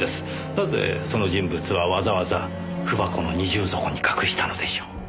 なぜその人物はわざわざ文箱の二重底に隠したのでしょう？